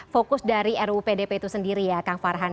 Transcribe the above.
fokus dari ruu pdp itu sendiri ya kang farhan